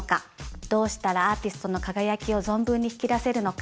どうしたらアーティストの輝きを存分に引き出せるのか。